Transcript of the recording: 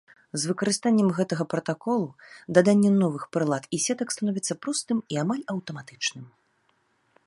З выкарыстаннем гэтага пратаколу даданне новых прылад і сетак становіцца простым і амаль аўтаматычным.